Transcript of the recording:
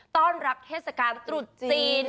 ต้อนรับเทศกาลตรุษจีน